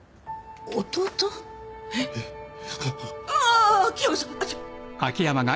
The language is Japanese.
ああ秋山さん！